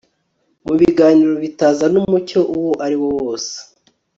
mu biganiro bitazana umucyo uwo ariwo wose